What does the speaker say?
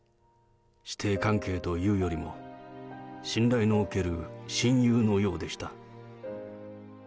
師弟関係というよりも、信頼の置ける親友のようでした。